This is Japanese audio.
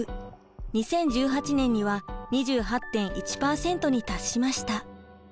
２０１８年には２８．１％に達しました。